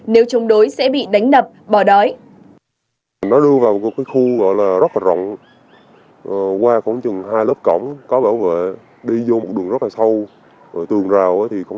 nếu chống đối sẽ bị đánh nập bỏ đói